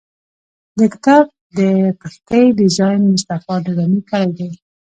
د کتاب د پښتۍ ډیزاین مصطفی دراني کړی دی.